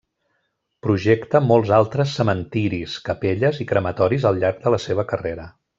Projecta molts altres cementiris, capelles i crematoris al llarg de la seva carrera.